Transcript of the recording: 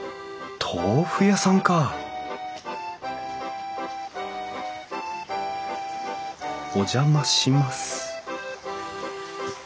豆腐屋さんかお邪魔します